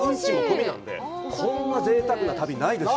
こんなぜいたくな旅、ないですよ。